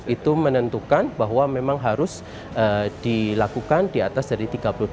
itu menentukan bahwa memang harus dilakukan di atas dari tiga puluh delapan